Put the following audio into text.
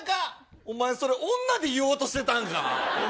お前それを女で言おうとしたんか。